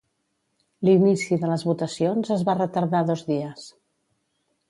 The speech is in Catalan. L'inici de les votacions es va retardar dos dies.